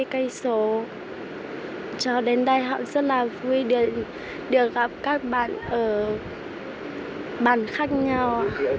cho đến đây họ rất là vui được gặp các bạn ở bàn khác nhau